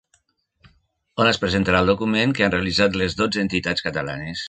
On es presentarà el document que han realitzat les dotze entitats catalanes?